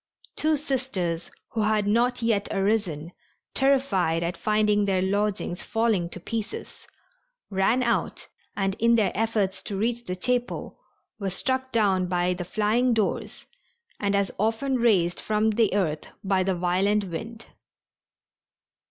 Two Sisters who had not yet arisen, terrified at finding their lodgings falling to pieces, ran out and in their efforts to reach the chapel were struck down by the flying doors and as often raised from the earth by the violent wind.